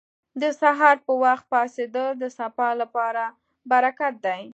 • د سهار پر وخت پاڅېدل د سبا لپاره برکت دی.